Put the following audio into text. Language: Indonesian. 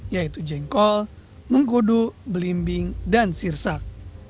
yaitu jengkol mengkudu belimbing dan sirsak